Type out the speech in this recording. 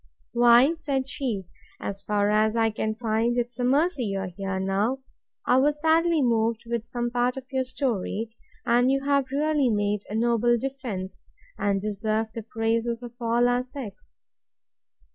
Why, said she, as far as I can find, 'tis a mercy you are here now. I was sadly moved with some part of your story and you have really made a noble defence, and deserve the praises of all our sex.